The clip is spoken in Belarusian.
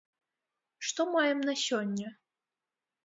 Што маем на сёння?